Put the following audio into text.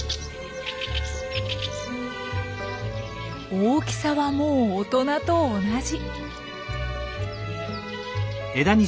大きさはもう大人と同じ。